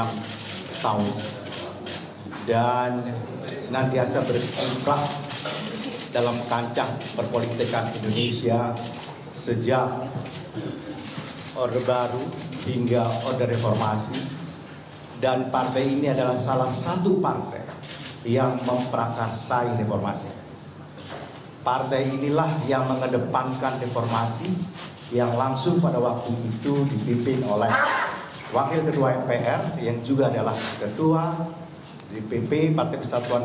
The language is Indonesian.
kepada pemerintah saya ingin mengucapkan terima kasih kepada pemerintah pemerintah yang telah menonton